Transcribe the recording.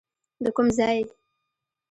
د کوم ځای؟